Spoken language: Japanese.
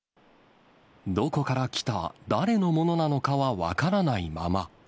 どこから来た、誰のものなのかは分からないまま。